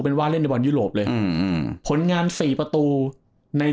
เป็นว่าเล่นในบอลยุโรปเลยอืมผลงานสี่ประตูใน